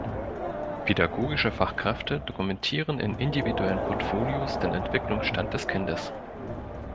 Pädagogische Fachkräfte dokumentieren in individuellen Portfolios den Entwicklungsstand des Kindes.